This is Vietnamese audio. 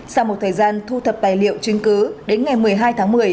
sau một thời gian thu thập tài liệu chứng cứ đến ngày một mươi hai tháng một mươi